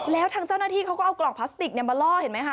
แล้วทางเจ้าหน้าที่เขาก็เอากล่องพลาสติกมาล่อเห็นไหมคะ